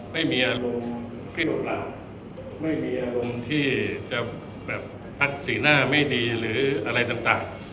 ไม่มีอารมณ์ไม่มีอารมณ์ที่จะแบบตัดสีหน้าไม่ดีหรืออะไรต่างต่าง